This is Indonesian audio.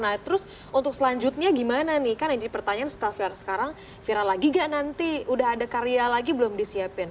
nah terus untuk selanjutnya gimana nih kan yang jadi pertanyaan staffer sekarang viral lagi gak nanti udah ada karya lagi belum disiapin